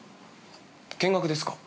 見学ですか？